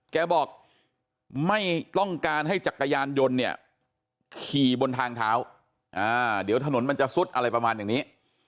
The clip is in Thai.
แกบอกไม่ต้องการให้จักรยานยนต์เนี่ยขี่บนทางเท้าเดี๋ยวถนนมันจะซุดอะไรประมาณอย่างนี้